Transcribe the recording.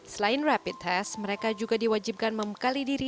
selain rapid test mereka juga diwajibkan membekali diri